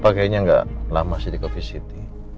papa kayaknya gak lama sih di covisity